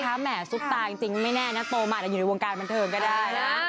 แหม่ซุปตาจริงไม่แน่นะโตมาอาจจะอยู่ในวงการบันเทิงก็ได้นะ